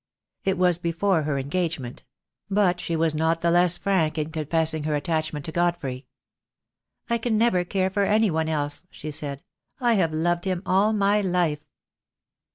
It was before her engagement; but she was not the less frank in confessing her attachment to Godfrey. "I can never care for any one else," she said; "I have loved him all my life."